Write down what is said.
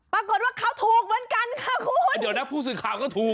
ปรากฏว่าเขาถูกเหมือนกันค่ะคุณเดี๋ยวนะผู้สื่อข่าวก็ถูก